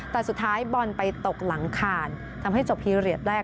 แต่สุดท้ายบอลไปตกหลังคานทำให้จบพีเรียสแรก